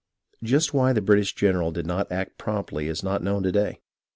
Just why the British general did not act promptly is not known to day.